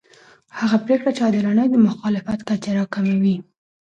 هغه پرېکړې چې عادلانه وي د مخالفت کچه راکموي